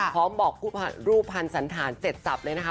พร้อมบอกรูปภัณฑ์สันฐาน๗ศัพท์เลยนะคะ